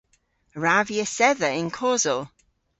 A wrav vy esedha yn kosel?